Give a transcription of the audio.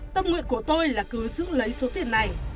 tâm nguyện của tôi là cứ giữ lấy số tiền này